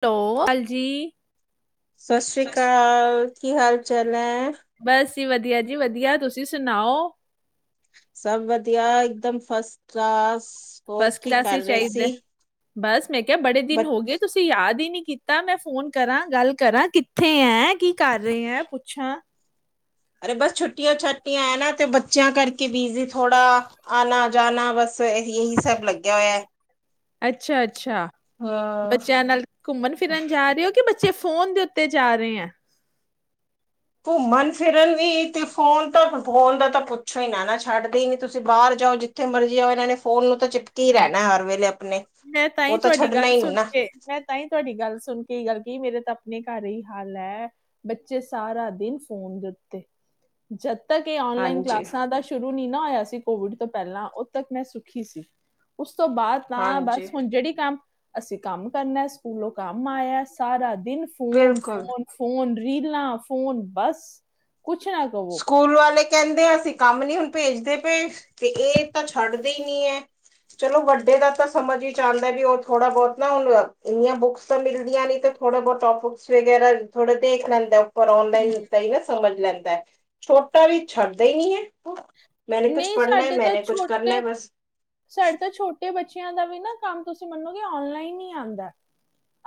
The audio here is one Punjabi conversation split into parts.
ਟੋ, ਕਾਲ ਜੀ। ਸਸ ਸ੍ਰੀ ਕਾਲ ਕੀ ਹਾਲ ਚਾਲ ਏਂ? ਬਸ ਜੀ ਵਧੀਆ ਜੀ ਵਧੀਆ ਤੁਸੀਂ ਸੁਨਾਓ? ਸਭ ਵਧੀਆ ਇੱਕਦਮ ਫਸਟ ਕਲਾਸ। ਹੋਰ ਫਸਟ ਕੀ ਕਲਾਸ ਕਰ ਈ ਰਹੇ ਚਾਈਦੈ, ਸੀ ਬਸ ਮੈਂ ਕਿਆ ਬੜੇ ਬ ਦਿਨ ਹੋ ਗਏ ਤੁਸੀਂ ਤੁਸੀਂ ਯਾਦ ਈ ਨੀ ਕੀਤਾ ਮੈਂ ਫੋਨ ਕਰਾਂ ਗੱਲ ਕਰਾਂ ਕਿੱਥੇ ਐਂ ਕੀ ਕਰ ਰਏ ਐੰ ਪੁੱਛਾਂ। ਅਰੇ ਬਸ ਛੁੱਟੀਆਂ ਛਟੀਆਂ ਐ ਨਾ ਤੇ ਬੱਚਿਆਂ ਕਰਕੇ ਬਿਜ਼ੀ ਥੋੜ੍ਹਾ ਆਨਾ ਜਾਨਾ ਬਸ ਐਹੀ ਇਹੀ ਸਭ ਲੱਗਿਆ ਹੋਇਆ। ਅੱਛਾ-ਅੱਛਾ ਹਾਂ ਬੱਚਿਆਂ ਨਾਲ ਘੁੰਮਨ ਫਿਰਨ ਜਾ ਰਹੇ ੳ ਕਿ ਬੱਚੇ ਫੋਨ ਦੇ ਉੱਤੇ ਜਾ ਰਹੇ ਏਂ? ਘੁੰਮਨ ਫਿਰਨ ਵੀ ਤੇ ਫੋਨ ਤਾਂ ਫੋਨ ਦਾ ਤਾਂ ਪੁੱਛੋ ਈ ਨਾ ਨਾ ਛੱਡਦੇ ਈ ਨੀ ਤੁਸੀਂ ਬਾਰ ਜਾਓ ਜਿਥ ਜਿੱਥੇ ਮਰਜ਼ੀ ਜਾੳ ਇਨਾਂ ਨੇ ਫੋਨ ਨੂੰ ਤਾਂ ਚਿਪਕੀ ਰੈਨਾ ਹਰ ਵੇਲੇ ਅਪਨੇ। ਮੈਂ ਤਾਂ ਈ ਤੁਹਾਡੀ ਗੱਲ ਸੁਨ ਕੇ ਮੈਂ ਤਾਂਈ ਤੁਹਾਡੀ ਗੱਲ ਸੁਣ ਕੇ ਏ ਗੱਲ ਕਈ, ਮੇਰੇ ਤਾਂ ਆਪਨੇ ਘਰ ਏਈ ਹਾਲ ਐ। ਬੱਚੇ ਸਾਰਾ ਦਿਨ ਫੋਨ ਦੇ ਉੱਤੇ, ਜਦ ਤੱਕ ਏ ਓਨਲਾਈਨ ਹਾਂਜੀ ਕਲਾਸਾਂ ਦਾ ਸ਼ੁਰੂ ਨੀ ਨਾ ਹੋਇਆ ਸੀ ਕੋਵਿਡ ਤੋਂ ਪੈਲਾਂ ਓਦ ਤੱਕ ਮੈਂ ਸੁਖੀ ਸੀ, ਉਸ ਤੋਂ ਬਾਦ ਤਾਂ ਹਾਂਜੀ ਜੇੜੀ ਕੰਮ ਅਸੀਂ ਕੰਮ ਕਰਨੈ, ਸਕੂਲੋਂ ਕੰਮ ਆਇਆ ਸਾਰਾ ਦਿਨ ਫੋਨ ਬਿਲਕੁਲ ਫੋਨ ਫੋਨ ਰੀਲਾਂ ਫੋਨ ਬਸ। ਕੁੱਛ ਨਾ ਕਹੋ ਸਕੂਲ ਵਾਲੇ ਕੈਂਦੇ ਅਸੀਂ ਕੰਮ ਨੀ ਹੁਨ ਭੇਜਦੇ ਪਏ, ਤੇ ਏ ਤਾਂ ਛੱਡਦੇ ਈ ਨੀ ਏ। ਚਲੋ ਵੱਡੇ ਦਾ ਤਾਂ ਸਮਝ ਇਚ ਆਂਦਾ ਵੀ ਉ ਥੋੜਾ ਬੋਤ ਨਾ ਹੁਨ, ਇੰਨੀਆਂ ਬੁੱਕਸਾ ਮਿਲਦੀਆਂ ਨੀ ਥੋੜਾ ਬੋਤ ਟੋਪਿਕਸ ਵਗੈਰਾ ਥੋੜੇ ਦੇਖ ਲੈੰਦੈ ਪਰ ਔਨਲਾਈਨ ਤਾਂ ਈ ਨਾ ਸਮਝ ਲੈਂਦੇ, ਛੋਟਾ ਵੀ ਛੱਡਦਾ ਈ ਨੀ ਐ। ਮੈਂਨੇ ਕੁੱਛ ਨਹੀਂ ਪੜ੍ਹਨੈ, ਸਾਡੇ ਤਾਂ ਮੈਂਨੇ ਕੁਛ ਕਰਨੈ ਛੋਟੇ ਬਸ। ਸਾਡੇ ਤਾਂ ਛੋਟੇ ਬੱਚਿਆਂ ਦਾ ਵੀ ਨਾ ਕੰਮ ਤੁਸੀਂ ਮੰਨੋਗੇ ਔਨਲਾਈਨ ਈ ਆਂਦੈ।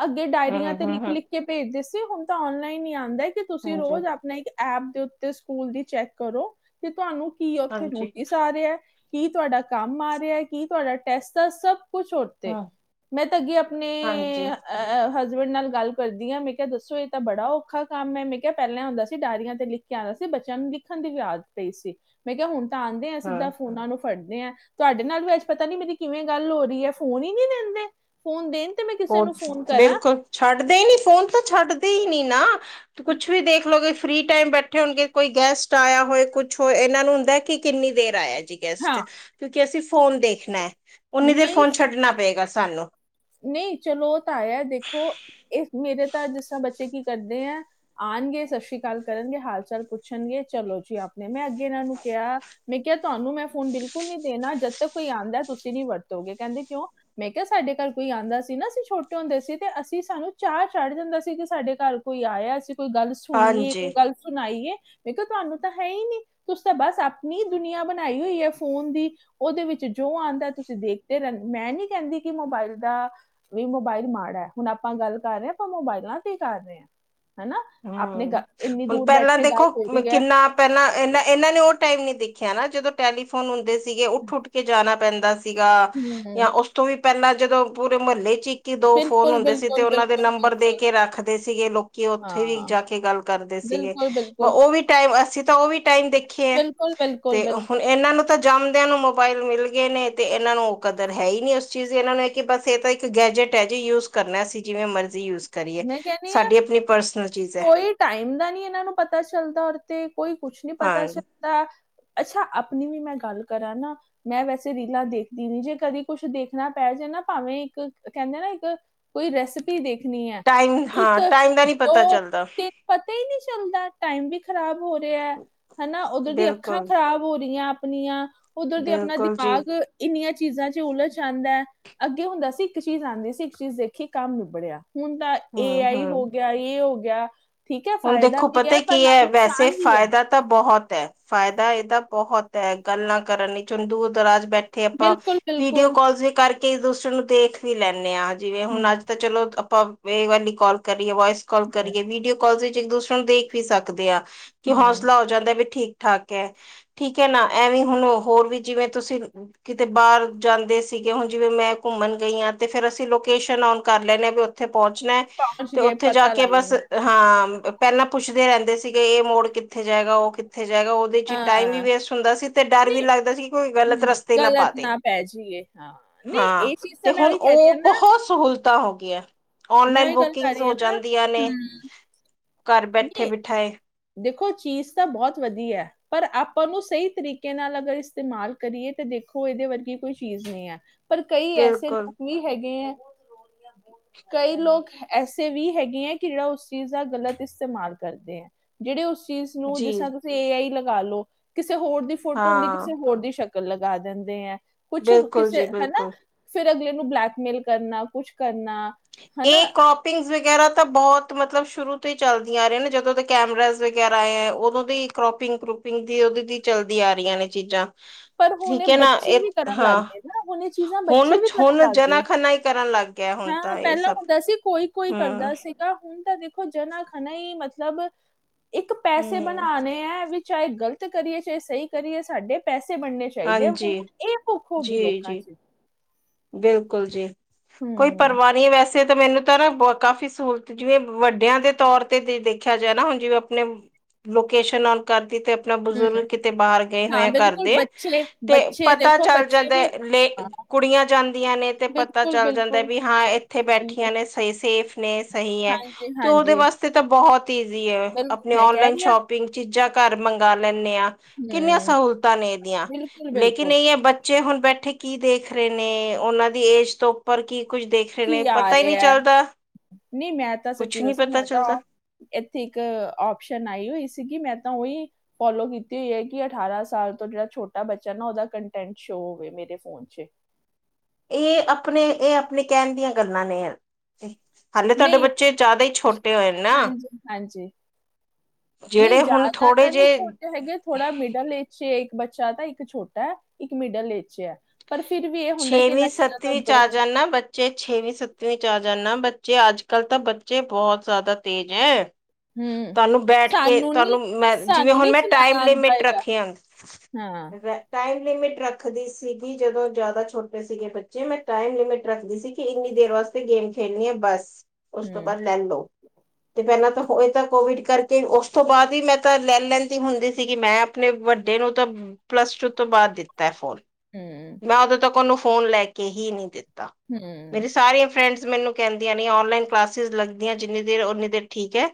ਅੱਗੇ ਡਾਇਰੀਆਂ ਹਮ ਤੇ ਹਮ ਹਮ ਲਿਖ-ਲਿਖ ਕੇ ਭੇਜਦੇ ਸੀ ਹੁਨ ਤਾਂ ਓਨਲਾਈਨ ਈ ਆਂਦਾ ਕਿ ਤੁਸੀਂ ਹਾਂਜੀ ਰੋਜ਼ ਆਪਨਾ ਇੱਕ ਐਪ ਦੇ ਓੁਤੇ ਸਕੂਲ ਦੀ ਚੈਕ ਕਰੋ ਕੀ ਤੁਹਾਨੂੰ ਕੀ ਓਥੇ ਹਾਂਜੀ ਨੋਟਿਸ ਆ ਰਿਐ ਕੀ ਤੁਹਾਡਾ ਕੰਮ ਆ ਰਿਆ ਕੀ ਤੁਹਾਡਾ ਟੈਸਟ ਆ ਸਭ ਕੁਛ ਓੁਤੇ ਹਾਂ ਮੈਂ ਤਾਂ ਅੱਗੇ ਅਪਨੇ ਹਾਂਜੀ ਐ ਹਸਬੈਂਡ ਨਾਲ ਗੱਲ ਕਰਦੀ ਆਂ ਮੈਂ ਕਿਹਾ ਦੱਸੋ ਏ ਤਾਂ ਬੜਾ ਔਖਾ ਕੰਮ ਏ, ਮੈਂ ਕਿਆ ਪੈਲਾਂ ਏ ਹੁੰਦਾ ਸੀ ਡਾਇਰੀਆਂ ਤੇ ਲਿਖ ਕੇ ਆਂਦਾ ਸੀ ਬੱਚਿਆਂ ਨੂੰ ਲਿਖਨ ਦੀ ਵੀ ਆਦਤ ਪਈ ਸੀ, ਮੈਂ ਕਿਆ ਹੁਣ ਤਾਂ ਆਂਦੇ ਏਂ ਹਾਂ ਸਿੱਧਾਂ ਫੋਨਾ ਨੂੰ ਫੜਦੇ ਏਂ, ਤੁਹਾਡੇ ਨਾਲ ਵੀ ਅੱਜ ਪਤਾ ਨੀ ਮੇਰੀ ਕਿਵੇਂ ਗੱਲ ਹੋ ਰਈ ਏ ਫੋਨ ਈ ਨਈ ਦਿੰਦੇ। ਫੋਨ ਦੇਣ ਤੇ ਮੈਂ ਕਿਸੇ ਨੂੰ ਫੋਨ ਕਰਾਂ। ਛੱਡਦੇ ਈ ਨੀ ਫੋਨ ਤਾਂ ਛੱਡਦੇ ਈ ਨੀ ਨਾ ਕੁੱਛ ਵੀ ਦੇਖ ਲੋੋਗੇ ਫਰੀ ਟਾਈਮ ਬੈਠੇ ਹੋਣਗੇ ਕੋਈ ਗੈਸਟ ਆਇਆ ਹੋਏ ਕੁਛ ਹੋਏ ਇਨਾਂ ਨੂੰ ਹੁੰਦਾ ਕਿ ਕਿੰਨੀ ਦੇਰ ਆਇਆ ਜੀ। ਗੈਸਟ ਹਾਂ ਕਿਉਂਕਿ ਅਸੀਂ ਫੋਨ ਦੇਖਨੈ, ਉਨੀ ਦੇਰ ਫੋਨ ਛੱਡਣਾ ਪਏਗਾ ਸਾਨੂੰ। ਨਈ ਚਲੋ ਉ ਤਾਂ ਆਇਆ ਦੇਖੋ ਏ ਮੇਰੇ ਤਾਂ ਜਿਸ ਤਰ੍ਹਾਂ ਬੱਚੇ ਕੀ ਕਰਦੇ ਐਂ ਆਣਗੇ ਸਸ ਸ੍ਰੀ ਕਾਲ ਕਰਨਗੇ ਹਾਲ ਚਾਲ ਪੁੱਛਨਗੇ ਚਲੋ ਜੀ ਆਪਣੇ, ਮੈਂ ਅੱਗੇ ਇਨਾਂ ਨੂੰ ਕਿਹਾ ਮੈਂ ਕਿਹਾ ਤੁਹਾਨੂੰ ਮੈਂ ਫੋਨ ਬਿਲਕੁਲ ਨੀ ਦੇਣਾ ਜਦ ਤੱਕ ਕੋਈ ਆਦਾ ਤੁਸੀਂ ਨੀ ਵਰਤੋਗੇ, ਕਹਿੰਦੇ ਕਿਉਂ? ਮੈਂ ਕਿਹਾ ਸਾਡੇ ਘਰ ਕੋਈ ਆਦਾ ਸੀ ਨਾ ਅਸੀਂ ਛੋਟੇ ਹੁੰਦੇ ਸੀ ਤੇ ਅਸੀਂ ਸਾਨੂੰ ਚਾਅ ਚੜ ਜਾਂਦਾ ਸੀ ਕਿ ਸਾਡੇ ਘਰ ਕੋਈ ਆਇਆ ਅਸੀਂ ਕੋਈ ਗੱਲ ਸੁਣੀਏ ਹਾਂਜੀ ਕੋਈ ਗੱਲ ਸੁਣਾਈਏ। ਮੈਂ ਕਿਹਾ ਤੁਹਾਨੂੰ ਤਾਂ ਹੈ ਈ ਨੀ, ਤੁਸੀ ਤਾਂ ਬਸ ਆਪਣੀ ਈ ਦੁਨੀਆਂ ਬਣਾਈ ਹੋਈ ਏ ਫੋਨ ਦੀ। ਓਦੇ ਵਿੱਚ ਜੋ ਆਦਾ ਤੁਸੀਂ ਦੇਖਦੇ ਰਹਿੰਦੇ, ਮੈਂ ਨੀ ਕਹਿੰਦੀ ਕਿ ਮੋਬਾਇਲ ਦਾ ਵੀ ਮੋਬਾਇਲ ਮਾੜਾ ਐ ਹੁਣ ਆਪਾਂ ਗੱਲ ਕਰ ਰਹੇ ਹਾ ਆਪਾਂ ਮੋਬਾਇਲਾਂ ਤੇ ਕਰ ਰਹੇ ਆ। ਹੈਨਾ, ਆਪਣੇ ਹੂੰ ਗ ਐਨੀ ਹੁਣ ਦੂਰ ਪਹਿਲਾਂ ਬੈਠੇ ਗੱਲ ਦੇਖੋ ਹੋ ਰਹੀ ਐ। ਕਿੰਨਾ ਪਹਿਲਾਂ ਏਨਾ, ਏਨਾਂ ਨੇ ਓ ਟਾਈਮ ਨੀ ਦੇਖਿਆ ਨਾ ਜਦੋਂ ਟੈਲੀਫੋਨ ਹੁੰਦੇ ਸੀਗੇ ਉੱਠ-ਉੱਠ ਕੇ ਜਾਣਾ ਪੈਂਦਾ ਸੀਗਾ ਹਮ ਜਾਂ ਓਸ ਤੋਂ ਵੀ ਪਹਿਲਾਂ ਜਦੋਂ ਪੂਰੇ ਮੱਲੇ ਚ ਈ ਕਿ ਦੋ ਫੋਨ ਬਿਲਕੁਲ ਹੁੰਦੇ ਸੀ ਤੇ ਬਿਲਕੁਲ ਓਨਾਂ ਦੇ ਬਿਲਕੁਲ ਨੰਬਰ ਦੇ ਬਿਲਕੁਲ ਕੇ ਰੱਖਦੇ ਸੀਗੇ ਲੋਕੀ ਓ ਓਥੇ ਵੀ ਹਾਂ ਜਾ ਕੇ ਗੱਲ ਕਰਦੇ ਸੀਗੇ ਬਿਲਕੁਲ ਵ ਬਿਲਕੁਲ ਓ ਵੀ ਟਾਈਮ ਅਸੀਂ ਤਾਂ ਓ ਵੀ ਟਾਈਮ ਦੇਖ ਖਿਆ ਬਿਲਕੁਲ ਬਿਲਕੁਲ ਤੇ ਹੁਣ ਬਿਲਕੁਲ ਏਨਾਂ ਨੂੰ ਜੰਮਦਿਆਂ ਨੂੰ ਮੋਬਾਇਲ ਮਿਲ ਗਏ ਨੇ ਤੇ ਏਨਾਂ ਨੂੰ ਓ ਕਦਰ ਹੈ ਹੀ ਨੀ ਓਸ ਚੀਜ਼ ਦੀ, ਏਨਾਂ ਨੂੰ ਕਿ ਬਸ ਏਹ ਤਾਂ ਇੱਕ ਗੈਜਟ ਐ ਜੀ ਯੂਜ ਕਰਨਾ ਅਸੀਂ ਜਿਵੇਂ ਮਰਜ਼ੀ ਯੂਜ ਕਰੀਏ ਮੈਂ ਕਹਿੰਦੀ ਹਾਂ ਸਾਡੀ ਆਪਣੀ ਪਰਸਨਲ ਚੀਜ਼ ਐ। ਕੋਈ ਟਾਈਮ ਦਾ ਨੀ ਏਨਾਂ ਨੂੰ ਪਤਾ ਚੱਲਦਾ ਤੇ ਕੋਈ ਕੁਛ ਨੀ ਪਤਾ ਹਾਂ ਚੱਲ ਦਾ, ਅੱਛਾ ਆਪਣੀ ਵੀ ਮੈਂ ਗੱਲ ਕਰਾਂ ਨਾ ਮੈਂ ਵੈਸੇ ਰੀਲਾਂ ਦੇਖਦੀ ਨੀ ਜੇ ਕਦੀ ਕੁਛ ਦੇਖਣਾ ਪੈ ਜੇ ਨਾ ਭਾਵੇਂ ਇੱਕ ਕਹਿੰਦੇ ਆ ਨਾ ਇੱਕ ਕੋਈ ਰੈਸਪੀ ਦੇਖਨੀ ਐ। ਟਾਈਮ ਹਾਂ ਟਾਈਮ ਦਾ ਨੀ ਪਤਾ ਚੱਲਦਾ। ਤੇ ਪਤਾ ਈ ਨੀ ਚੱਲਦਾ ਟਾਈਮ ਵੀ ਖ਼ਰਾਬ ਹੋ ਰਿਹਾ ਐ। ਹਨਾ, ਓਧਰ ਦੀਆਂ ਅੱਖਾਂ ਬਿਲਕੁਲ ਖ਼ਰਾਬ ਹੋ ਰਹੀਆਂ ਆਪਣੀਆਂ ਓਧਰ ਦੀ ਆਪਣਾ ਬਿਲਕੁਲ ਜੀ ਦਿਮਾਗ ਐਨੀਆਂ ਚੀਜ਼ਾਂ ਚ ਉਲਝ ਜਾਂਦਾ। ਅੱਗੇ ਹੁੰਦਾ ਸੀ ਇੱਕ ਚੀਜ਼ ਆਦੀ ਸੀ ਇੱਕ ਚੀਜ਼ ਦੇਖੀ ਕੰਮ ਨਿਬੜਿਆ, ਹੁਣ ਤਾਂ ਏ ਹਮ ਆਈ ਹਮ ਹੋ ਗਿਆ ਯੇ ਹੋ ਗਿਆ ਠੀਕ ਐ ਹੁਣ ਫਾਇਦਾ ਦੇਖੋ ਵੀ ਪਤਾ ਐ ਪਰ ਕੀ ਨਾਲ ਹੈ ਵੈਸੇ ਨੁਕਸਾਨ ਵੀ ਐ। ਫਾਇਦਾ ਤਾਂ ਬਹੁਤ ਐ ਫਾਇਦਾ ਏਦਾ ਬਹੁਤ ਐ ਗੱਲਾਂ ਕਰਨ ਵਿਚ ਦੂਰ ਦਰਾਜ ਬੈਠੇ ਠੇ ਆਪਾਂ ਵੀਡੀਓ ਕਾਲ ਵੀ ਕਰਕੇ ਦੂਸਰੇ ਨੂੰ ਦੇਖ ਵੀ ਲੈਨੇ ਆ ਜਿਵੇਂ ਹੁਣ ਅੱਜ ਤਾਂ ਚਲੋ ਆਪਾਂ ਵੇ ਵਾਲੀ ਕਾਲ ਕਰੀਏ ਵੋਆਇਸ ਕਾਲ ਕਰੀਏ ਵੀਡੀਓ ਕਾਲ ਵਿੱਚ ਇੱਕ-ਦੂਸਰੇ ਨੂੰ ਦੇਖ ਵੀ ਸਕਦੇ ਆ ਕਿ ਹੌਸਲਾ ਹੋ ਜਾਂਦਾ ਵੀ ਠੀਕ-ਠਾਕ ਐ। ਠੀਕ ਐ ਨਾ ਐਵੀ ਹੁਣ ਹੋਰ ਵੀ ਜਿਵੇਂ ਤੁਸੀਂ ਕਿਤੇ ਬਾਹਰ ਜਾਂਦੇ ਸੀਗੇ ਹੁਣ ਜਿਵੇਂ ਮੈਂ ਘੁੰਮਣ ਗਈ ਹਾ ਤੇ ਫੇਰ ਅਸੀਂ ਲੋਕੇਸ਼ਨ ਓਨ ਕਰ ਲੈਨੇ ਆ ਵ ਓਥੇ ਪਹੁੰਚਣਾ ਐ ਤੇ ਓਥੇ ਜਾ ਕੇ ਬਸ ਹਾਂ ਪਹਿਲਾਂ ਪੁੱਛਦੇ ਰਹਿੰਦੇ ਸੀਗੇ ਏਹ ਮੋੜ ਕਿੱਥੇ ਜਾਏਗਾ ਓ ਕਿੱਥੇ ਜਾਏਗਾ ਓ ਦੇ ਵਿੱਚ ਟਾਈਮ ਵੀ ਵੇਸਟ ਹੁੰਦਾ ਸੀ ਤੇ ਡਰ ਵੀ ਲੱਗਦਾ ਸੀ ਕਿ ਕੋਈ ਗਲਤ ਰਸਤੇ ਈ ਨਾ ਪਾ ਦੇ। ਹਾਂ ਤੇ ਹੁਣ ਓ ਬਹੁਤ ਸਹੂਲਤਾਂ ਹੋ ਗੀਆ। ਔਨਲਾਈਨ ਬੁਕਿੰਗਸ ਹੋ ਜਾਂਦੀਆਂ ਨੇ ਘਰ ਬੈਠੇ ਬਿਠਾਏ। ਦੇਖੋ ਚੀਜ਼ ਤਾਂ ਬਹੁਤ ਵਧੀਆ ਐ। ਪਰ ਆਪਾਂ ਓਨੂੰ ਸਹੀ ਤਰੀਕੇ ਨਾਲ ਅਗਰ ਇਸਤੇਮਾਲ ਕਰੀਏ ਤੇ ਦੇਖੋ ਏਦੇ ਵਰਗੀ ਕੋਈ ਚੀਜ਼ ਨੀ ਐ‌। ਪਰ ਕਈ ਐਸੇ ਲੋਕ ਬਿਲਕੁਲ ਵੀ ਹੈਗੇ ਐ। ਕਈ ਲੋਕ ਐਸੇ ਵੀ ਹੈਗੇ ਐ ਕਿ ਜੇੜਾ ਓਸ ਚੀਜ਼ ਦਾ ਗ਼ਲਤ ਇਸਤੇਮਾਲ ਕਰਦੇ ਐ। ਜੇੜੇ ਓਸ ਚੀਜ਼ ਨੂੰ ਜੀ ਜਿਸ ਤਰਾ ਤੁਸੀਂ ਏ ਆਈ ਲਗਾ ਲਓ, ਕਿਸੇ ਹੋਰ ਦੀ ਫੋਟੋ ਹੁੰਦੀ ਹਾਂ ਕਿਸੇ ਹੋਰ ਦੀ ਸ਼ਕ ਲਗਾ ਦਿੰਦੇ ਐ, ਕੁਛ ਬਿਲਕੁਲ ਕਿਸੇ ਜੀ ਹਨਾ ਬਿਲਕੁਲ ਫੇਰ ਅਗਲੇ ਨੂੰ ਬਲੈਕਮੇਲ ਕਰਨਾ ਕੁਛ ਕਰਨਾ ਹਨਾ ਏ ਕੋਪ ਪਿੰਗਸ ਵਗੈਰਾ ਤਾਂ ਬੋਤ ਮਤਲਬ ਸ਼ੁਰੂ ਤੋਂ ਈ ਚੱਲਦੀਆਂ ਆ ਰਹੀਆਂ ਨੇ ਜਦੋਂ ਦੇ ਕੈਮਰਾਜ਼ ਵਗੈਰਾ ਆਏ ਐ, ਉਦੋਂ ਦੀ ਕਰੋਪਿੰਗ- ਕਰੂਪਿੰਗ ਦੀ ਉਹਦੇ ਦੀ ਚੱਲਦੀ ਆ ਰਹੀਆਂ ਨੇ ਚੀਜ਼ਾਂ। ਪਰ ਹੁਣ ਠੀਕ ਹੈ ਨਾ ਬੱਚੇ ਵੀ ਇਹ ਕਰਨ ਲੱਗ ਹਾਂ ਗਏ ਨਾ, ਹੁਣ ਇਹ ਚੀਜ਼ਾਂ ਹੁਣ ਬੱਚੇ ਵੀ ਕਰਨ ਹੁਣ ਲੱਗ ਜਨਾ ਗਈ ਖਨਾ ਹੀ ਕਰਨ ਲੱਗ ਗਿਆ ਹੁਣ ਹ ਤਾਂ ਇਹ ਪਹਿਲਾਂ ਸਭ ਹੁੰਦਾ ਸੀ ਕੋਈ- ਕੋਈ ਹਮ ਕਰਦਾ ਸੀ। ਸੀਗਾ। ਹੁਣ ਤਾਂ ਦੇਖੋ ਜਨਾ- ਖਨਨਾ ਈ ਮਤਲਬ ਇੱਕ ਪੈਸੇ ਹਮ ਬਣਾਣੇ ਐ ਵਿੱਚ ਚਾਹੇ ਗਲਤ ਕਰੀਏ, ਚਾਹੇ ਸਹੀ ਕਰੀਏ, ਸਾਡੇ ਪੈਸੇ ਬਣਨੇ ਚਾਹੀਦੇ ਆ, ਹਾਂਜੀ ਹੁਣ ਇਹ ਭੁੱਖ ਹੋਗੀ ਜੀ ਲੋਕਾਂ ਜੀ ਚ ਬਿਲਕੁਲ ਜੀ, ਕੋਈ ਹੂੰ ਪਰਵਾ ਨਹੀਂ ਵੈਸੇ ਤਾਂ ਮੈਨੂੰ ਨਾ ਕਾਫੀ ਸਹੂਲਤ, ਜਿਵੇਂ ਵੱਡਿਆਂ ਦੇ ਤੌਰ ਤੇ ਦੇਖਿਆ ਜਾ ਨਾ ਹੁਣ ਜਿਵੇਂ ਆਪਣੇ ਲੋਕੇਸ਼ਨ ਆਨ ਕਰਤੀ ਤੇ ਆਪਣਾ ਬਜ਼ੁਰਗ ਹੂੰ ਕਿਤੇ ਬਾਹਰ ਗਏ ਹੋਏ ਹਾਂ ਆ ਘਰ ਬਿਲਕੁਲ ਦੇ, ਬੱਚੇ ਤੇ ਬੱਚੇ ਪਤਾ ਦੇਖੋ ਚੱਲ ਬੱਚੇ ਜਾਂਦਾ ਵੀ ਲੇ ਹਾਂ ਕੁੜੀਆਂ ਜਾਂਦੀਆਂ ਨੇ ਤੇ ਪਤਾ ਬਿਲਕੁਲ ਚੱਲ ਜਾਂਦਾ ਬਿਲਕੁਲ ਵੀ ਹਾਂ ਇੱਥੇ ਬਿਲਕੁਲ ਬੈਠੀਆਂ ਨੇ ਸ ਸੇਫ ਨੇ। ਸਹੀ ਐ, ਹਾਂਜੀ ਤੇ ਉਹਦੇ ਹਾਂਜੀ ਵਾਸਤੇ ਤਾਂ ਬਹੁਤ ਈਜ਼ੀ ਐ, ਬਿਲਕੁਲ ਆਪਣੇ ਮੈਂ ਕਹਿ ਔਨਲਾਈਨ ਰਹੀ ਹਾਂ ਸ਼ੋਪ ਵਿਗ ਚੀਜ਼ਾਂ ਘਰ ਮੰਗਵਾ ਲੈਂਦੇ ਆ ਕਿੰਨੀਆਂ ਹੂੰ ਸਹੂਲਤਾਂ ਨੇ ਇਹਦੀਆਂ, ਬਿਲਕੁਲ ਲੇਕਿਨ ਬਿਲਕੁਲ ਇਹ ਐ ਬ ਬੱਚੇ ਹੁਣ ਬੈਠੇ ਕੀ ਦੇਖ ਰਹੇ ਨੇ, ਉਹਨਾਂ ਦੀ ਏਜ ਤੋਂ ਉੱਪਰ ਕੀ ਕੁੱਝ ਦੇਖ ਰਹੇ ਨੇ ਕੀ ਆ ਪਤਾ ਹੀ ਨਹੀਂ ਰਿਹਾ ਐ, ਚੱਲਦਾ ਨਹੀਂ ਮੈਂ ਤਾਂ ਸੱਚੀ ਕੁਛ ਨਹੀਂ ਦੱਸਾਂ ਪਤਾ ਮੈਂ ਤਾਂ ਚੱਲਦਾ ਇੱਥੇ ਇੱਕ ਓਪਸ਼ਨ ਆਈ ਹੋਈ ਸੀਗੀ, ਮੈਂ ਤਾਂ ਉਹੀ ਫੋਲੋ ਕੀਤੀ ਹੋਈ ਐ ਕਿ ਅਠਾਰਾਂ ਸਾਲ ਤੋਂ ਜਿਹੜਾ ਛੋਟਾ ਬੱਚਾ ਨਾ ਉਹਦਾ ਕੰਟੈਂਟ ਸ਼ੋ ਹੋਵੇ ਮੇਰੇ ਫੋਨ ਚ, ਇਹ ਆਪਣੇ, ਇਹ ਆਪਣੇ ਕਹਿਣ ਦੀਆਂ ਗੱਲਾਂ ਨੇ ਹਾਲੇ ਤਾਡੇ ਨਹੀਂ ਬੱਚੇ ਜ਼ਿਆਦਾ ਈ ਛੋਟੇ ਹੋਏ ਨੇ ਨਾ ਹਾਂਜੀ ਹਾਂਜੀ, ਨਈ ਜਿਹੜੇ ਹੁਣ ਜ਼ਿਆਦਾ ਥੋੜੇ ਤਾਂ ਨਹੀਂ ਜਿਹੇ ਛੋਟੇ ਹੈਗੇ, ਥੋੜਾ ਮ ਮਿਡਲ ਏ ਇੱਕ ਬੱਚਾ ਤਾਂ ਇੱਕ ਛੋਟਾ ਐ, ਇੱਕ ਮਿਡਲ ਏ ਚ ਐ। ਪਰ ਫਿਰ ਵੀ ਇਹ ਹੁੰਦਾ ਕਿ ਛੇਵੀਂ ਇਹਨਾਂ ਚੀਜ਼ਾਂ ਤਾਂ ਸੱਤਵੀਂ ਚ ਉੱਧਰ ਆ ਜਾਣ ਨਾ ਬੱਚੇ ਛੇਵੀਂ- ਸੱਤਵੀਂ ਚ ਆ ਜਾਂਦਾ, ਬੱਚੇ ਅੱਜ- ਕੱਲ੍ਹ ਤਾਂ ਬੱਚੇ ਬਹੁਤ ਜ਼ਿਆਦਾ ਤੇਜ਼ ਐ। ਹੂੰ ਤਾਨੂੰ ਬੈਠ ਕੇ ਸਾਨੂੰ ਨਹੀਂ ਤੁਹਾਨੂੰ ਮੈਂ ਜਿਵੇਂ ਸਾਨੂੰ ਹੁਣ ਨਹੀਂ ਮੈਂ ਟਾਈਮ ਚਲਾਣਾ ਆਉਂਦਾ ਲੇਮਿਟ ਹੈਗਾ ਰੱਖੀ ਆ। ਹਾਂ। ਟਾਈਮ ਲਿਮਿਟ ਰੱਖਦੀ ਸੀਗੀ ਜਦੋਂ ਜ਼ਿਆਦਾ ਛੋਟੇ ਸੀਗੇ ਬੱਚੇ, ਮੈਂ ਟਾਈਮ ਲਿਮਿਟ ਰੱਖਦੀ ਸੀ ਕਿ ਇੰਨੀ ਦੇਰ ਵਾਸਤੇ ਗੇਮ ਖੇਡਣੀ ਐ, ਬਸ ਉਸ ਤੋਂ ਹੂੰ ਬਾਅਦ ਲੈਂਲੋ। ਤੇ ਪਹਿਲਾਂ ਤਾਂ ਹੋ ਇਹ ਤਾਂ ਕੋਵਿਡ ਕਰਕੇ ਉਸ ਤੋਂ ਬਾਅਦ ਈ ਮੈਂ ਤਾਂ ਲੈ ਲੈਂਦੀ ਹੁੰਦੀ ਸੀਗੀ, ਮੈਂ ਆਪਣੇ ਵੱਡੇ ਨੂੰ ਤਾਂ ਪਲੱਸ- ਟੂ ਤੋਂ ਬਾਅਦ ਦਿੱਤਾ ਐ ਫੋਨ ਹਮ ਮੈਂ ਉਦੋਂ ਤੱਕ ਉਹਨੂੰ ਫੋਨ ਲੈ ਕੇ ਹੀ ਨੀ ਦਿੱਤਾ, ਹੂੰ ਮੇਰੀ ਸਾਰੀਆਂ ਫਰੈਂਡਸ ਮੈਨੂੰ ਕਹਿੰਦੀਆਂ ਨੇ ਔਨਲਾਈਨ ਕਲਾਸਿਸ ਲਗਦੀਆਂ ਜਿੰਨੀ ਦੇਰ ਓਨੀ ਦੇਰ ਠੀਕ ਐ।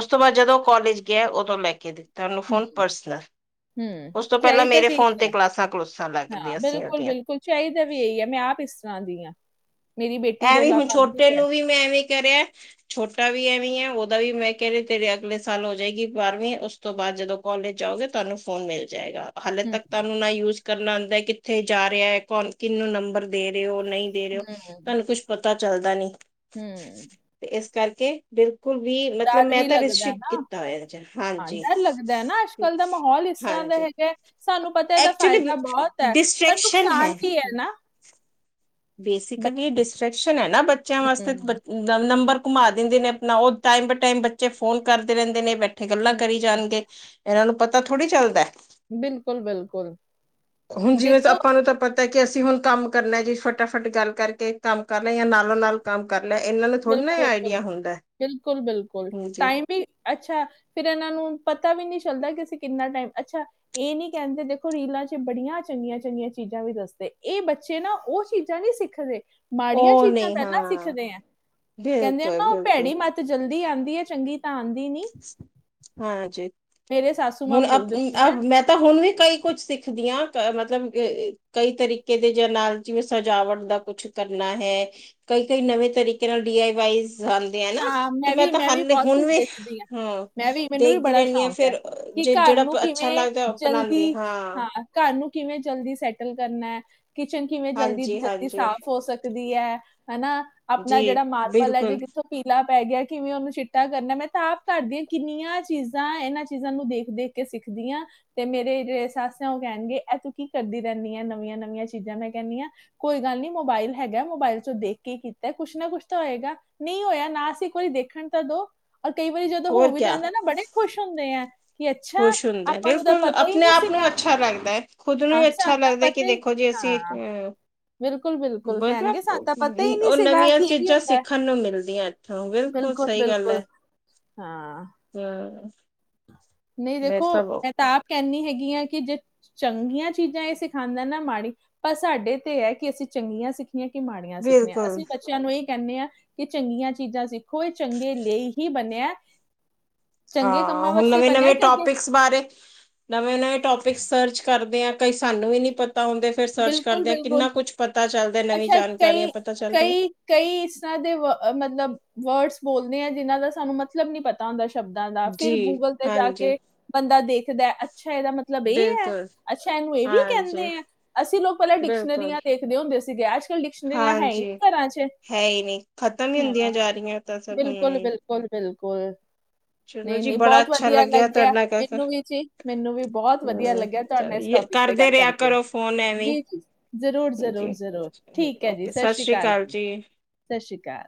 ਉਸ ਤੋਂ ਬਾਅਦ ਜਦੋਂ ਕੋਲਜ ਗਿਆ ਉਦੋਂ ਲੈ ਕੇ ਤੁਹਾਨੂੰ ਹੂੰ ਫੋਨ ਪਰਸਨਲ, ਹੂੰ ਉਸ ਤੋਂ ਪਹਿਲਾਂ ਚਾਹੀਦਾ ਮੇਰੇ ਵੀ ਫੋਨ ਤੇ ਕਲਾਸਾਂ- ਕਲੋਸਾਂ ਲੱਗਦੀਆਂ ਸੀਆ। ਬਿਲਕੁ, ਬਿਲਕੁਲ ਚਾਹੀਦਾ ਵੀ ਇਹੀ ਐ, ਮੈਂ ਆਪ ਇਸ ਤਰ੍ਹਾਂ ਦੀ ਆ, ਮੇਰੀ ਬੇਟੀ ਐਵੇਂ ਰੌਲਾ ਹੁਣ ਪਾਂਦੀ ਛੋਟੇ ਐ। ਨੂੰ ਵੀ ਮੈਂ ਐਵੇਂ ਕਰਿਆ। ਛੋਟਾ ਵੀ ਐਵੇਂ ਈ ਆ, ਉਹਦਾ ਵੀ ਮੈਂ ਕਹਿ ਰ ਤੇਰੇ ਅਗਲੇ ਸਾਲ ਹੋ ਜਾਏਗੀ ਬਾਰਵੀਂ, ਉਸ ਤੋਂ ਬਾਅਦ ਜਦੋਂ ਕਾਲਜ ਜਾਓਗੇ, ਤੁਹਾਨੂੰ ਫੋਨ ਮਿਲ ਜਾਏਗਾ। ਹਾਲੇ ਹੂੰ ਤੱਕ ਤਾ ਉਨੂੰ ਨਾ ਯੂਜ ਕਰਨਾ ਆਂਦਾ ਐ, ਕਿੱਥੇ ਜਾ ਰਿਹਾ ਐ ਕੋਨ ਕਿਹਨੂੰ ਨੰਬਰ ਦੇ ਰਹੇ ਓ ਨਹੀਂ। ਦੇ ਰਹੇ ਓ ਤਾਨੂੰ ਕੁੱਛ ਪਤਾ ਚੱਲਦਾ ਨੀ। ਹਮ ਤੇ ਇਸ ਕਰਕੇ ਬਿਲਕੁਲ ਵੀ ਮਤਲਬ ਡਰ ਮੈਂ ਵੀ ਤਾਂ ਲੱਗਦਾ ਹੈ ਰਿਸਟ੍ਰਿਕਟ ਨਾ ਕੀਤਾ ਹੋਇਆ ਚ' ਹਾਂ ਹਾਂਜੀ। ਡਰ ਲੱਗਦਾ ਹੈ ਨਾ ਅੱਜਕੱਲ ਦਾ ਮਾਹੌਲ ਇਸ ਤਰ੍ਹਾਂ ਦਾ ਹਾਂਜੀ। ਹੈਗਾ ਹੈ, ਸਾਨੂੰ ਪਤਾ ਇਹਦਾ ਐਕਚੁਲੀ ਫਾਇਦਾ ਬਹੁਤ ਹੈ ਪਰ ਡਿਸਟਰ੍ਰੈਕਸ਼ਨ ਨੁਕਸਾਨ ਹੈ। ਵੀ ਨਾ ਬ- ਬੇਸਿਕਲੀ ਡਿਸਟਰ੍ਰੈਕਸ਼ਨ ਹੈ ਨਾ ਬੱਚਿਆਂ ਵਾਸਤੇ ਹੂੰ, ਨੰਬਰ ਘੁਮਾ ਦਿੰਦੇ ਨੇ ਆਪਣਾ ਉਹ ਟਮ ਬਾ ਟਾਈਮ ਬੱਚੇ ਫੋਨ ਕਰਦੇ ਰਹਿੰਦੇ ਨੇ ਬੈਠੇ। ਥੇ ਗੱਲਾਂ ਹੂੰ, ਕਰੀ ਜਾਣਗੇ, ਇਹਨਾਂ ਨੂੰ ਪਤਾ ਥੋੜ੍ਹੀ ਚੱਲਦਾ। ਬਿਲਕੁਲ ਬਿਲਕੁਲ ਹੁਣ ਜਿਵੇਂ ਦੇਖੋ ਆਪਾਂ ਨੂੰ ਤਾਂ ਪਤਾ ਤਾਂ ਕਿ ਅਸੀਂ ਹੁਣ ਕੰਮ ਕਰਨਾ ਜੀ ਫਟਾਫਟ ਗੱਲ ਕਰਕੇ ਕੰਮ ਕਰ ਲੈ ਜਾਂ ਨਾਲੋਂ- ਨਾਲ। ਕੰਮ ਕਰ ਲਿਆ ਇਹਨਾਂ ਨੂੰ ਥੋੜਾ ਨਾ ਬਿਲਕੁਲ ਬਿਲਕੁਲ ਆਈਡੀਆ ਹੁੰਦਾ। ਬਿਲਕੁਲ ਬਿਲਕੁਲ ਹਾਂਜੀ। ਟਾਈਮ ਵੀ ਅੱਛਾ। ਫੇਰ ਇਹਨਾਂ ਨੂੰ ਪਤਾ ਵੀ ਨਹੀਂ ਚੱਲਦਾ ਕਿ ਅਸੀਂ ਕਿੰਨਾ ਟਾਈਮ ਅੱਛਾ। ਇਹ ਨੀ ਕਹਿੰਦੇ ਦੇਖੋ ਰੀਲਾਂ ਚ' ਬੜੀਆਂ ਚੰਗੀਆਂ- ਚੰਗੀਆਂ ਚੀਜ਼ਾਂ ਵੀ ਦੱਸਦੇ ਇਹ ਬੱਚੇ ਨਾ ਉਹ ਚੀਜ਼ਾਂ ਨੀ ਸਿੱਖ ਸਿੱਖਦੇ ਮਾੜੀਆਂ ਉਹ ਚੀਜ਼ਾਂ ਨਹੀਂ ਪਹਿਲਾਂ ਹਾਂ ਸਿੱਖਦੇ ਆਂ। ਕਹਿੰਦੇ ਆ ਬਿਲਕੁਲ ਨਾ ਉਹ ਬਿਲਕੁਲ ਭੈੜੀ ਮੱਤ ਜਲਦੀ ਆਉਂਦੀ ਹੈ ਚੰਗੀ ਤਾਂ ਆਉਂਦੀ ਨੀ। ਹਾਂ ਜੀ। ਸਾਸੂ ਮਾਂ ਹੁਣ ਬੋਲਦੇ ਹੁੰਦੇ ਅ ਆ ਮੈਂ ਤਾਂ ਹੁਣ ਵੀ ਕਈ ਕੁੱਝ ਸਿੱਖਦੀਆਂ ਮਤਲਬ ਕਈ ਤਰੀਕੇ ਦੇ ਜ ਨਾਲ ਜਿਵੇਂ ਸਜਾਵਟ ਦਾ ਕੁਛ। ਕਰਨਾ ਹੈ। ਕਈ- ਕਈ ਨਵੇਂ ਤਰੀਕੇ ਨਾਲ ਡੀ ਆਈ ਵਾਈ ਮੈਂ ਨਾ, ਹਾਂ ਤੇ ਮੈਂ ਵੀ ਤਾਂ ਵੀ ਹੇ ਬਹੁਤ ਹੁਣ ਕੁਝ ਵੀ ਦੇਖਦੀ ਆ ਹਾਂ। ਮੈਂ ਵੀ ਮੈਨੂੰ ਵੀ ਦੇਖਦੀ ਬੜਾ ਰਹਿੰਦੀ ਹਾਂ ਸ਼ੌਂਕ ਹੈ ਫੇਰ ਕਿ ਜੇ ਘਰ ਜਿਹੜਾ ਨੂੰ ਅੱਛਾ ਕਿਵੇਂ ਲੱਗਦਾ ਅਪਣਾਉਂਦੀ। ਜਲਦੀ ਹਾਂ। ਘਰ ਨੂੰ ਕਿਵੇਂ ਜਲਦੀ ਸੈਟਲ ਕਰਨਾ, ਕਿਚਨ ਕਿਵੇਂ ਜਲਦੀ- ਹਾਂਜੀ ਜਲਦੀ ਹਾਂਜੀ ਸਾਫ਼ ਹੋ ਸਕ ਹੈ ਹਨਾ। ਆਪਣਾ ਜੀ ਜਿਹੜਾ ਮਾਰਪਲ ਹੈ ਜੇ ਬਿਲਕੁਲ ਪੀਲਾ ਪੈ ਗਿਆ ਕਿਵੇਂ ਉਹਨੂੰ ਚਿੱਟਾ ਕਰਨਾ ਮੈਂ ਤਾਂ ਆਪ ਘਰ ਦੀਆਂ ਕਿੰਨੀਆਂ ਚੀਜ਼ਾਂ ਇਹਨਾਂ ਚੀਜ਼ਾਂ ਨੂੰ ਦੇਥ-ਦੇਖ ਕੇ ਸਿੱਖਦੀ ਹਾਂ। ਤੇ ਮੇਰੇ ਜਿਹੜੇ ਸੱਸ ਆ ਉਹ ਕਹਿਣਗੇ ਇਹ ਜਿਹੜੇ ਮੇਰੇ ਸੱਸ ਹੂ ਉਹ ਕਹਿਣਗੇ ਤੂੰ ਕੀ ਕਰਦੀ ਰਹਿੰਦੀ ਆ ਨਵੀਆਂ-ਨਵੀਆਂ ਚੀਜ਼ਾਂ ਮੈਂ ਕਹਿੰਦੀ ਆ ਕੋਈ ਗੱਲ ਨਹੀਂ ਮੋਬਾਇਲ ਹੈਗਾ ਮੋਬਾਇਲ ਚ' ਦੇਖ ਕੇ ਕੀਤਾ ਕੁਛ ਨਾ ਕੁਛ ਤਾਂ ਹੋਏਗਾ। ਨਹੀਂ ਹੋਇਆ ਨਾ ਅਸੀਂ ਇੱਕ ਵਾਰੀ ਦੇਖਣ ਤਾਂ ਦੋ, ਰ ਕਈ ਵਾਰੀ ਜਦੋਂ ਹੋਰ ਹੋ ਵੀ ਕਿਆ ਜਾਂਦਾ ਨਾ ਬੜੇ ਖੁਸ਼ ਹੁੰਦੇ ਆ। ਕਿ ਅੱਛਾ ਖੁਸ਼ ਹੁੰਦਾ, ਆਪਾਂ ਨੂੰ ਤਾਂ ਬਿਲਕੁਲ ਪਤਾ ਹੀ ਆਪਣੇ ਨਹੀਂ ਆਪ ਸੀਗਾ ਨੂੰ ਅੱਛਾ ਲੱਗਦਾ ਹੈ, ਖੁਦ ਨੂੰ ਹਾਂ ਹੀ ਅੱਛਾ ਸਾਨੂੰ ਤਾਂ ਲੱਗਦਾ। ਕਿ ਪਤਾ ਹੀ ਦੇਖੋ ਜੇ ਅਸੀਂ ਹਾਂ ਅਹ ਬਿਲਕੁਲ ਬਿਲਕੁਲ ਕਹਿਣਗੇ ਮਤਲਬ, ਸਾਨੂੰ ਤਾਂ ਪਤਾ ਹੀ ਨਹੀਂ ਉਹ ਸੀਗਾ ਨਵੀਆਂ ਕਿ ਇਹ ਵੀ ਚੀਜ਼ਾਂ ਹੁੰਦਾ ਹੈ। ਸਿੱਖਣ ਨੂੰ ਮਿਲਦੀਆਂ। ਹਾਂ, ਬਿਲਕੁਲ ਸਹੀ ਗੱਲ ਹੈ। ਹਾਂ। ਹਾ। ਨਹੀਂ ਦੇਖੋ, ਮੈਂ ਤਾਂ ਆਪ ਕਹਿੰਦੀ ਹੈਗੀ ਹਾਂ ਕਿ ਜੇ ਚੰਗੀਆਂ ਚੀਜ਼ਾਂ ਇਹ ਸਿਖਾਉਂਦਾ ਨਾ ਮਾੜੀ ਪਰ ਸਾਡੇ ਤੇ ਹੈ ਕਿ ਅਸੀਂ ਚੰਗੀਆਂ ਸਿਖ ਕਿ ਮਾੜੀਆਂ ਸਿੱਖਣੀਆਂ, ਬਿਲਕੁਲ ਅਸੀਂ ਬ ਬੱਚਿਆਂ ਨੂੰ ਇਹ ਕਹਿੰਦੇ ਆ ਕਿ ਚੰਗੀਆਂ ਚੀਜ਼ਾਂ ਸਿੱਖੋ ਇਹ ਚੰਗੇ ਲਈ ਹੀ ਬਣਿਆ। ਚੰਗੇ ਹਾਂ ਕੰਮਾਂ ਹੁਣ ਵਾਸਤੇ ਨਵੇਂ ਬਣਿਆ ਨਵੇਂ ਕਿ ਅੱਗੇ ਟਪਿਕ ਬਾਰੇ ਨਵੇਂ -ਨਵੇਂ ਟੋਪਿਕ ਸਰਚ ਕਰਦੇ ਆ ਕਈ ਸਾਨੂੰ ਵੀ ਨੀ ਪਤਾ ਹੁੰਦੇ। ਫਿਰ ਸਰਚ ਬਿਲਕੁਲ ਕਰਦੇ ਹਾ ਬਿਲਕੁਲ ਕਿੰਨਾ ਕੁਛ ਪਤਾ ਚੱਲਦਾ ਨਵੀਂ ਅੱਛਾ ਜਾਣਕਾਰੀਆਂ ਕਈ ਪਤਾ ਚੱਲਦੀਆਂ। ਕਈ ਕਈ ਇਸ ਤਰ੍ਹਾਂ ਦੇ ਮਤਲਬ, ਵਰਡਸ ਬੋਲਦੇ ਆ ਜਿਨਾਂ ਦਾ ਸਾਨੂੰ ਮਤਲਬ ਨੀ ਪਤਾ। ਦਾ ਸ਼ਬਦਾਂ ਦਾ ਜੀ ਫਿਰ ਗੂਗਲ ਤੇ ਜਾ ਹਾਂਜੀ ਕੇ ਬੰਦਾ ਦੇਖਦਾ ਅੱਛਾ ਇਹਦਾ ਮਤਲਬ ਇਹ ਹੈ ਬਿਲਕੁਲ ਅੱਛਾ ਇਹਨੂੰ ਇਹ ਵੀ ਹਾਂਜੀ ਕਹਿੰਦੇ ਆ! ਅਸੀਂ ਲੋਕ ਪਹਿਲਾਂ ਬਿਲਕੁਲ ਡਿਕਸ਼ਨਰੀਆਂ ਦੇਖਦੇ ਹੁੰਦੇ ਸੀਗੇ ਅੱਜ ਕੱਲ੍ਹ ਡਿਕਸ਼ਨਰੀਆਂ ਹੈ ਹੀ ਹਾਂਜੀ ਨਹੀਂ ਘਰਾਂ ਚ'। ਹੈ ਹੀ ਨੀ। ਖਤਮ ਹੀ ਹੁੰਦੀਆਂ ਜਾ ਰਹੀਆਂ ਤਾਂ ਸਗੋਂ ਬਿਲਕੁਲ-ਬਿਲਕੁਲ-ਬਿਲਕੁਲ। ਚਲੋ ਜੀ ਨਹੀ-ਨਹੀ ਬੜਾ ਬਹੁਤ ਅੱਛਾ ਵਧੀਆ ਲੱਗਿਆ ਤੁਹਾਡੇ ਨਾਲ ਗੱਲ ਕਰ ਮੈਨੂੰ ਵੀ ਜੀ ਮੈਨੂੰ ਵੀ ਬਹੁਤ ਵਧੀਆ ਹੂੰ, ਲੱਗਿਆ ਤੁਹਾਡਾ ਚਲੋ ਇਸਟੋਪਿਕ ਕਰਦੇ ਰਿਹਾ ਕਰੋ ਫੋਨ ਐਵੇਂ, ਜ਼ਰੂਰ ਜ਼ਰੂਰ ਹ ਜ਼ਰੂਰ ਠੀਕ ਹੈ ਜੀ ਓਕੇ ਸਤਿ ਸ਼੍ਰੀ ਸ੍ਰੀ ਅਕਾਲ ਜੀ। ਸਤਿ ਸ਼੍ਰੀ ਅਕਾਲ।